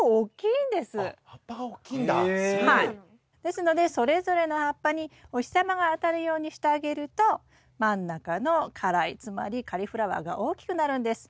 ですのでそれぞれの葉っぱにお日様が当たるようにしてあげると真ん中の花蕾つまりカリフラワーが大きくなるんです。